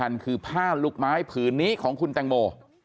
มันคือผ้าลูกไม้ผืนนี้ของคุณแตงโม